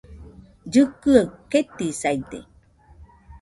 Llikɨaɨ ketisaide